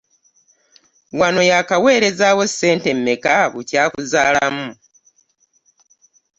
Wano yaakaweerezaawo ssente mmeka bukya akuzaalamu?